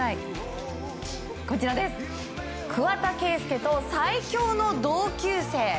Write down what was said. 桑田佳祐と最強の同級生。